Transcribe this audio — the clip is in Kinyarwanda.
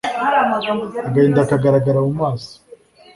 agahinda kagaragaraga mumaso